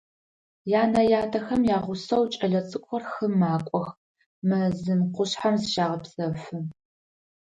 Янэ-ятэхэм ягъусэу кӏэлэцӏыкӏухэр хым макӏох, мэзым, къушъхьэм зыщагъэпсэфы.